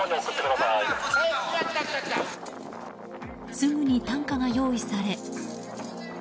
すぐに担架が用意され。